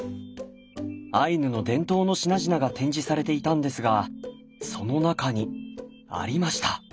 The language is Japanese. アイヌの伝統の品々が展示されていたんですがその中にありました。